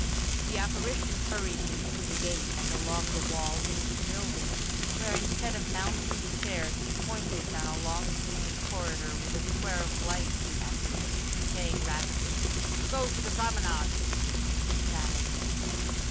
The apparition hurried me through the gate, and along the wall into the building, where instead of mounting the stairs he pointed down a long, gloomy corridor with a square of light at the end of it, saying rapidly, "Go to the promenade"—and vanished.